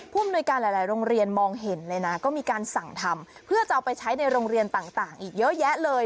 ผู้อำนวยการหลายโรงเรียนมองเห็นเลยนะก็มีการสั่งทำเพื่อจะเอาไปใช้ในโรงเรียนต่างอีกเยอะแยะเลย